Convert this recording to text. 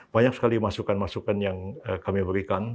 banyak sekali masukan masukan yang kami berikan